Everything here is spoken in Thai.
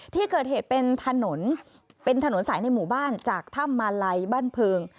ที่เกิดเหตุเป็นถนนเป็นถนนสายในหมู่บ้านจากถ้ำมาลัยบ้านเพิง